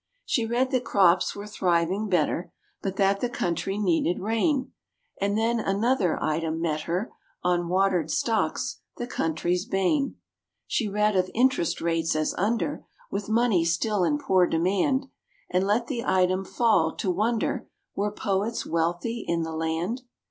She read that crops were thriving better, But that the country needed rain; And then another item met her On "Watered stocks, the country's bane." She read of "interest rates as under, With money still in poor demand," And let the item fall, to wonder Were poets wealthy in the land.